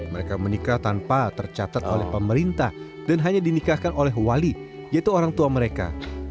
mereka menikah tanpa tercatat oleh pemerintah dan hanya dinikahkan oleh wali yaitu orang tua mereka